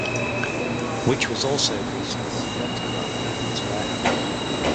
Which was also leased with the yacht club and its warehouse.